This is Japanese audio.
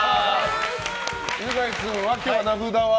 犬飼君は今日は名札は。